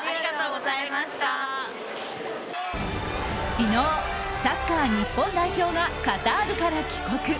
昨日、サッカー日本代表がカタールから帰国。